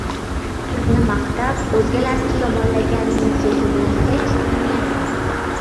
Sizni maqtab, o‘zgalarni yomonlaganning so‘zini hech tinglamang.